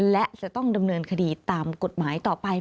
และจะต้องดำเนินคดีตามกฎหมายต่อไป